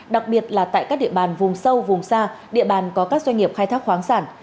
đặc biệt là tại các địa bàn vùng sâu vùng xa địa bàn có các doanh nghiệp khai thác khoáng sản